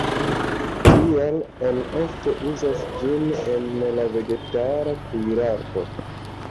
Tial oni ofte uzas ĝin en la vegetara kuirarto.